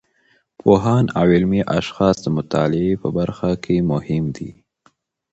پوهان او علمي اشخاص د مطالعې په برخه کې مهم دي.